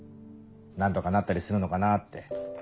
何とかなったりするのかなって。